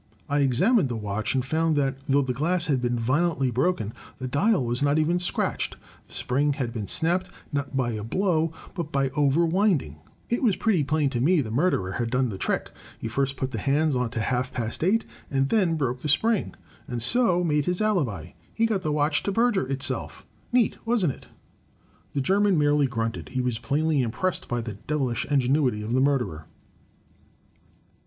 I examined the watch, and found that though the glass had been violently broken, the dial was not even scratched. The spring had been snapped, not by the blow but by overwinding. MORE DEVICES 20I It was pretty plain to me the murderer had done the trick. He first put the hands on to half past eight and then broke the spring, and so made his alibi. He got the watch to perjure itself. Neat, wasn't it?" The German merely grunted. He was plainly impressed by the devilish ingenuity of the murderer.